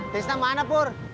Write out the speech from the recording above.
tis mana pur